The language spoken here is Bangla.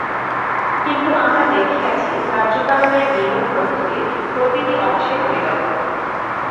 কিন্তু আমরা দেখিয়াছি, কার্য-কারণের নিয়ম প্রকৃতির প্রতিটি অংশে পরিব্যাপ্ত।